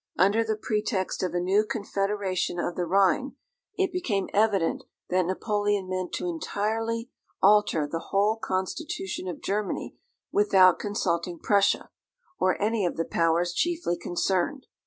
Under the pretext of a new Confederation of the Rhine, it became evident that Napoleon meant to entirely alter the whole constitution of Germany without consulting Prussia, or any of the Powers chiefly concerned.